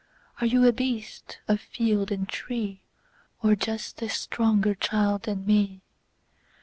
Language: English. Are you a beast of field and tree, Or just a stronger child than me?